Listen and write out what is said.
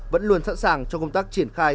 vẫn luôn sẵn sàng cho công tác triển khai